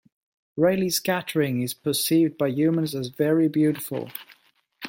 Raleigh scattering is perceived by humans as very beautiful.